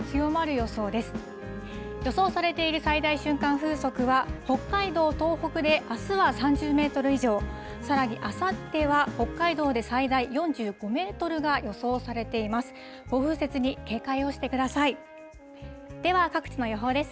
予想されている最大瞬間風速は、北海道、東北であすは３０メートル以上、さらにあさっては北海道で最大４５メートルが予想されています。